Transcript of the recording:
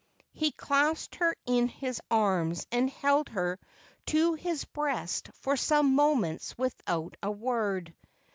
He clasped her in his arms, and held her to his breast for some moments without a word.